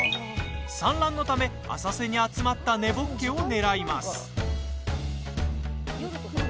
産卵のため浅瀬に集まった根ぼっけを狙います。